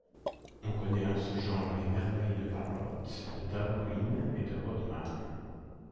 On connaît en ce genre les merveilles de Parrott, de Dahlgreen, de Rodman.